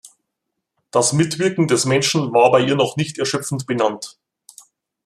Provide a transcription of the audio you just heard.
Das Mitwirken des Menschen war bei ihr noch nicht erschöpfend benannt.